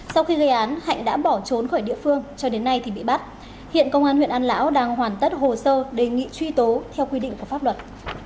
sau khi gây án hạnh đã bỏ trốn khỏi địa phương cho đến nay thì bị bắt hiện công an huyện an lão đang hoàn tất hồ sơ đề nghị truy tố theo quy định của pháp luật